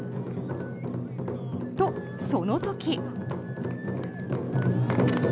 と、その時。